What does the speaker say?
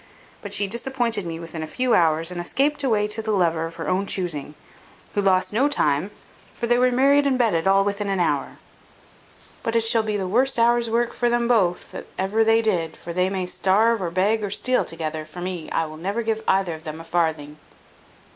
But she disappointed me within a few hours, and escaped away to the lover of her own chusing; who lost no time, for they were married and bedded and all within an hour. But it shall be the worst hour's work for them both that ever they did; for they may starve, or beg, or steal together, for me. I will never give either of them a farthing."